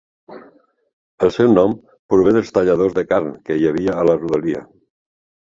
El seu nom prové dels talladors de carn que hi havia a la rodalia.